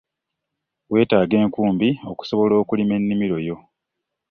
Wetaaga enkumbi okusobola okulima emimiro yo.